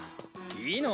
いいの？